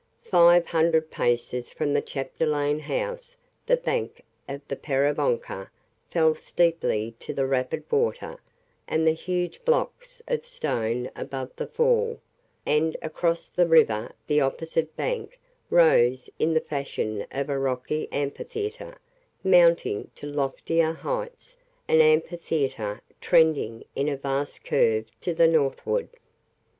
Five hundred paces from the Chapdelaine house the bank of the Peribonka fell steeply to the rapid water and the huge blocks of stone above the fall, and across the river the opposite bank rose in the fashion of a rocky amphitheatre, mounting to loftier heights an amphitheatre trending in a vast curve to the northward.